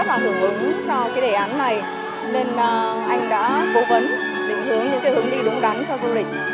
và hưởng ứng cho cái đề án này nên anh đã cố vấn định hướng những cái hướng đi đúng đắn cho du lịch